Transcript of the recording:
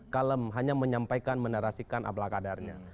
kalem hanya menyampaikan menarasikan ablakadarnya